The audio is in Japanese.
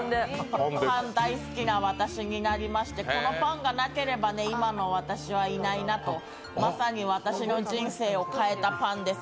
パン大好きな私になりまして、このパンがなければ今の私はいないなと、まさに私の人生を変えたパンです。